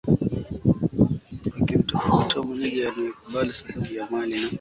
wakimtafuta mwenyeji anayekubali sehemu ya mali na